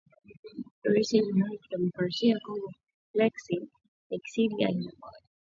Rais wa Jamuhuri ya Kidemokrasia ya Kongo Felix Thisekedi alibadilisha viongozi wa kiraia wa Kivu Kaskazini na Ituri